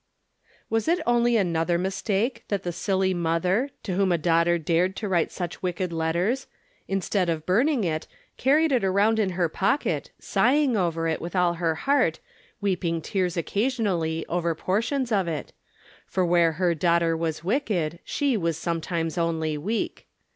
247 Was it only anotlier mistake that tlie silly mother, to whom a daughter dared to write such wicked letters, instead of burning it, carried it around in her pocket, sighing over it with all her heart, weeping tears occasionally over portions of it ; for where her daughter was wicked, she was sometimes only weak.